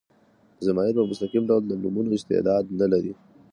ضمایر په مستقیم ډول د نومونو استعداد نه لري.